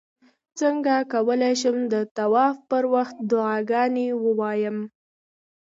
څنګه کولی شم د طواف پر وخت دعاګانې ووایم